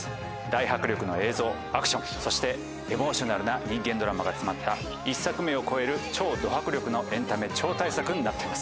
大迫力の映像アクションそしてエモーショナルな人間ドラマが詰まった１作目を超える超ど迫力のエンタメ超大作になっています。